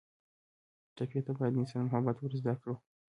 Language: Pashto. ټپي ته باید د انسان محبت ور زده کړو.